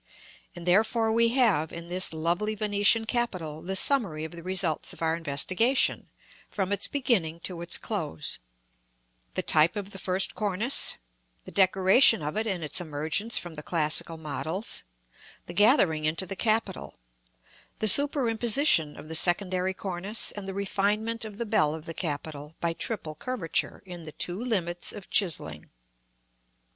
and therefore we have, in this lovely Venetian capital, the summary of the results of our investigation, from its beginning to its close: the type of the first cornice; the decoration of it, in its emergence from the classical models; the gathering into the capital; the superimposition of the secondary cornice, and the refinement of the bell of the capital by triple curvature in the two limits of chiselling.